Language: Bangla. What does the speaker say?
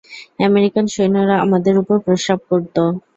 আমেরিকান সৈন্যরা আমাদের উপর প্রস্রাব করত।